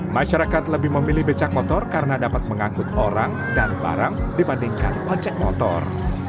masyarakat lebih memilih becak motor karena dapat mengangkut orang dan barang dibandingkan ojek motor